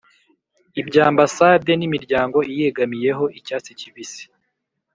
ibyambasade n’imiryango iyegamiyeho =icyatsi kibisi